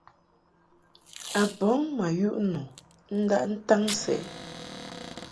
A bɔŋ ma yuʼ nu ndaʼ ntaŋ sɛ.